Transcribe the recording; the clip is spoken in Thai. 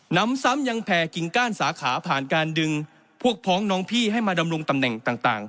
น้ำซ้ำยังแผ่กิ่งก้านสาขาผ่านการดึงพวกพ้องน้องพี่ให้มาดำรงตำแหน่งต่าง